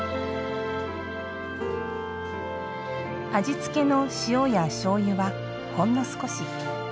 味付けの塩やしょうゆはほんの少し。